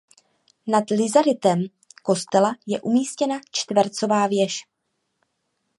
Nad rizalitem kostela je umístěna čtvercová věž.